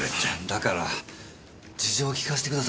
だから事情を聞かせてくださいよ。